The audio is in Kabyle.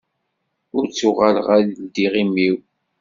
Ur ttuɣaleɣ ad ldiɣ imi-w.